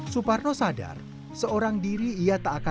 suparno sadar seorang diri ia tak akan